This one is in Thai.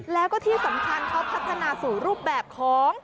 แล้วก็ที่สำคัญเขาพัฒนาสู่รูปแบบของ